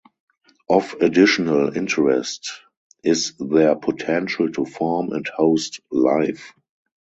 Of additional interest is their potential to form and host life.